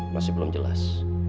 masih belum jelas